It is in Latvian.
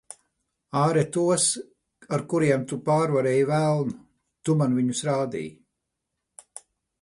Āre tos, ar kuriem tu pārvarēji velnu. Tu man viņus rādīji.